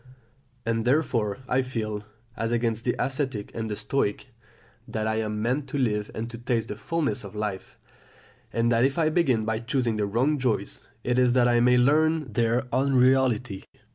And, therefore, I feel, as against the Ascetic and the Stoic, that I am meant to live and to taste the fulness of life; and that if I begin by choosing the wrong joys, it is that I may learn their unreality.